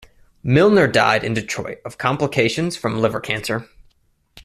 Milner died in Detroit of complications from liver cancer.